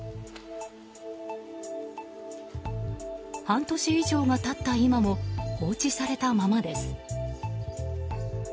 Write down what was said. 半年以上が経った今も放置されたままです。